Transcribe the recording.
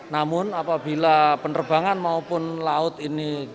namun apabila penerbangan maupun laut ini